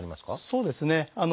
そうですね。